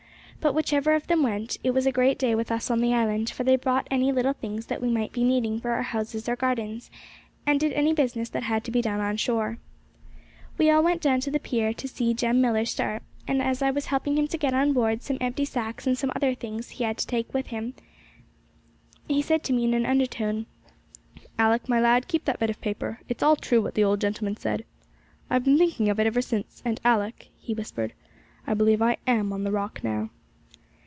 But whichever of them went, it was a great day with us on the island, for they bought any little things that we might be needing for our houses or gardens, and did any business that had to be done on shore. We all went down to the pier to see Jem Millar start; and as I was helping him to get on board some empty sacks and some other things he had to take with him, he said to me, in an undertone, 'Alick, my lad, keep that bit of paper; it's all true what that old gentleman said. I've been thinking of it ever since; and, Alick,' he whispered, 'I believe I am on the Rock now.'